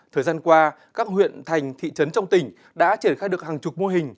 thời gian qua các huyện thành thị trấn trong tỉnh đã triển khai được hàng chục mô hình